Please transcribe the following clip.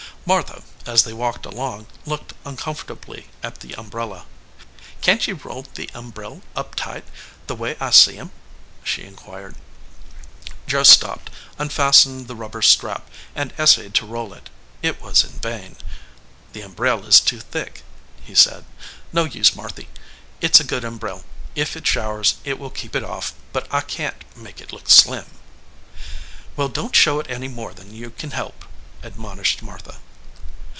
Martha, as they walked along, looked uncomfort ably at the umbrella. "Can t ye roll the umbreir up tight, the way I see em?" she inquired. Joe stopped, unfastened the rubber strap, and essayed to roll it. It was in vain. "The umbreir is too thick/ he said. "No use, Marthy. It s a good umbreir. If it showers it will keep it off, but I can t make it look slim." "Well, don t show it any more than you can help," admonished Martha.